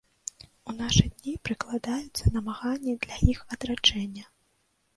У нашы дні прыкладаюцца намаганні для іх адраджэння.